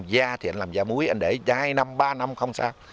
da thì anh làm da muối anh để hai năm ba năm không sao